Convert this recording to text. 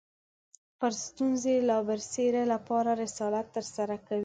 پر ستونزې لاسبري لپاره رسالت ترسره کوي